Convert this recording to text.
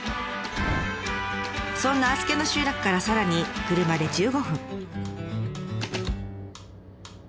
そんな足助の集落からさらに車で１５分。